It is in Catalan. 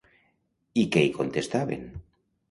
I què hi contestaven?